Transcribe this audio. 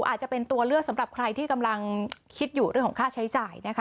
อาจจะเป็นตัวเลือกสำหรับใครที่กำลังคิดอยู่เรื่องของค่าใช้จ่ายนะคะ